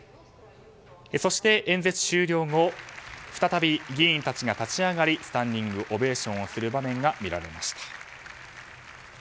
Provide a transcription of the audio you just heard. そして演説終了後再び議員たちが立ち上がりスタンディングオベーションをする場面が見られました。